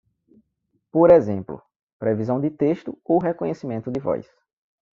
Por exemplo, previsão de texto ou reconhecimento de voz.